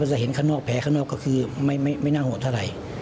จะเห็นข้างนอกแผลข้างนอกก็คือไม่น่าโหดเท่าไหร่